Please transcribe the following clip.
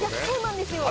そうなんです